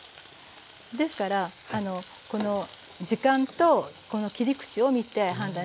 ですからこの時間とこの切り口を見て判断して下さい。